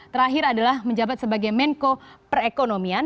terakhir adalah menjabat sebagai menko perekonomian